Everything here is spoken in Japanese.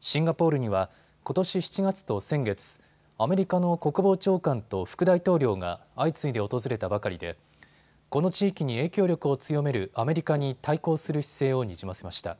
シンガポールにはことし７月と先月、アメリカの国防長官と副大統領が相次いで訪れたばかりでこの地域に影響力を強めるアメリカに対抗する姿勢をにじませました。